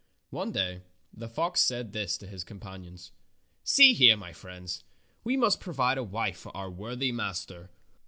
One day the fox said to his companions: "See here, my friends, we must provide a wife for our worthy master.